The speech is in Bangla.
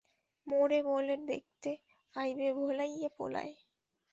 মোরে বোলে দেকতে আইবে ভোলাইয়া পোলায়।